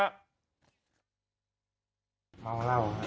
เอ้าเมาเล่า